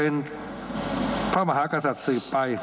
และ